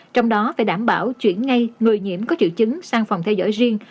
trong đó phải đảm bảo chuyển ngay người nhiễm có triệu chứng sang phòng theo dõi riêng